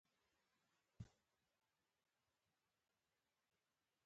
دغه انجن یو بلجیمي اتین لونوار په وسیله اختراع شوی و.